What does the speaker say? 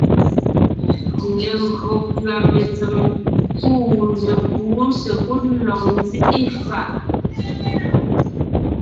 Legÿo pʉ́a mentsèm kuʼu lékúu sekúd lɔg nzíʼi fàʼ,